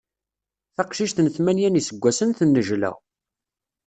Taqcict n tmanya n yiseggasen tennejla.